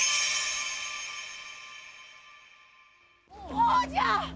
ほうじゃ。